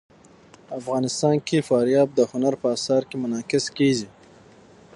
افغانستان کې فاریاب د هنر په اثار کې منعکس کېږي.